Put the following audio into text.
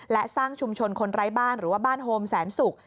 และสร้างชุมชนคนไร้บ้านหรือว่าบ้านโฮมแสนศุกร์